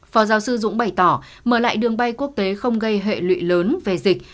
phó giáo sư dũng bày tỏ mở lại đường bay quốc tế không gây hệ lụy lớn về dịch